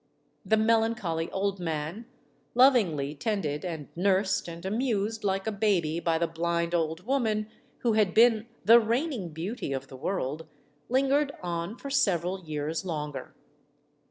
The melancholy old man, lovingly tended and nursed and amused like a baby by the blind old woman who had been the reigning beauty of the world, lingered on for several years longer.